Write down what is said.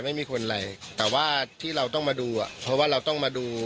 ไม่มีคนอะไรแต่ว่าที่เราต้องมาดูอ่ะเพราะว่าเราต้องมาดู